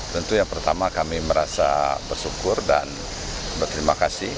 tentu yang pertama kami merasa bersyukur dan berterima kasih